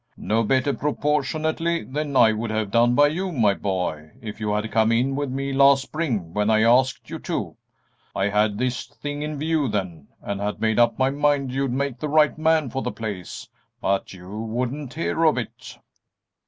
"No better proportionately than I would have done by you, my boy, if you had come in with me last spring when I asked you to. I had this thing in view then, and had made up my mind you'd make the right man for the place, but you wouldn't hear to it."